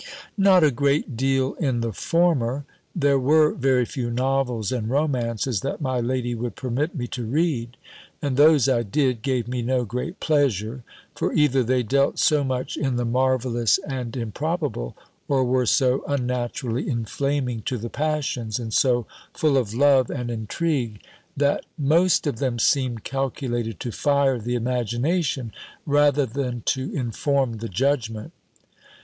"Not a great deal in the former: there were very few novels and romances that my lady would permit me to read; and those I did, gave me no great pleasure; for either they dealt so much in the marvellous and improbable, or were so unnaturally inflaming to the passions, and so full of love and intrigue, that most of them seemed calculated to fire the imagination, rather than to inform the _judgment.